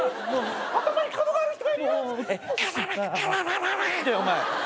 「頭に角がある人がいるよ！」ってお前。